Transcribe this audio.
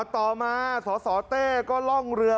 ต่อมาสสเต้ก็ล่องเรือ